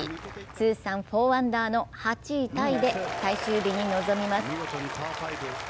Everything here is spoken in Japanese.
通算４アンダーの８位タイで最終日に臨みます。